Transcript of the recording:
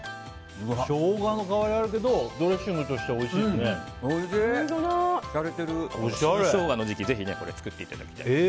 ショウガの香りがあるけどドレッシングとしても新ショウガの時期にぜひ作っていただきたいです。